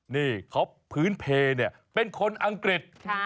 นี่เขาพื้นเพลเนี่ยเป็นคนอังกฤษ